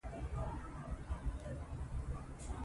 ـ سل غوښتلي ځايږي يو ناغښتى نه.